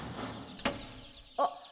あっ！